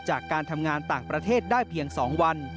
จากการทำงานต่างประเทศได้เพียง๒วัน